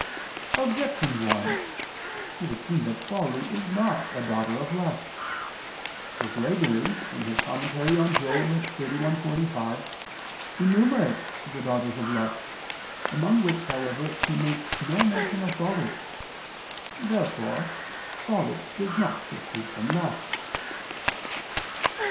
Objection 1: It would seem that folly is not a daughter of lust. For Gregory (Moral. xxxi, 45) enumerates the daughters of lust, among which however he makes no mention of folly. Therefore folly does not proceed from lust.